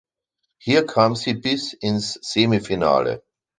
Hier kam sie bis ins Semifinale.